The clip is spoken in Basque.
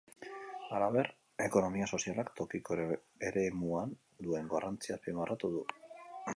Halaber, ekonomia sozialak tokiko eremuan duen garrantzia azpimarratu du.